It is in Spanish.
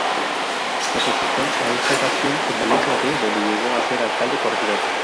Representó a esta facción en Valencia de donde llegó a ser Alcalde corregidor.